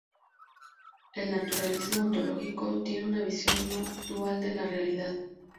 El naturalismo ontológico tiene una visión no dual de la realidad.